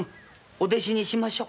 お弟子にしましょう。